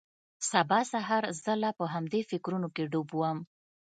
سبا سهار زه لا په همدې فکرونو کښې ډوب وم.